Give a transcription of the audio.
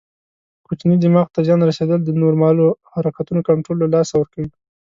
کوچني دماغ ته زیان رسېدل د نورمالو حرکتونو کنټرول له لاسه ورکوي.